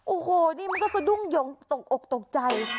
โอ้โหนี่มันก็สะดุ้งหยงตกอกตกใจ